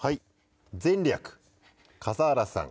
前略「笠原さん